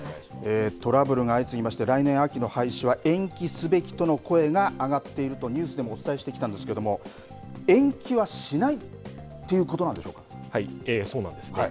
トラブルが相次ぎまして来年秋の廃止は延期すべきとの声が上がっているとニュースでもお伝えしてきたんですけども延期はしないはい、そうなんです。